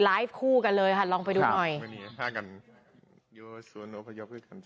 คู่กันเลยค่ะลองไปดูหน่อย